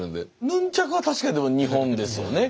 ヌンチャクは確かにでも日本ですよね。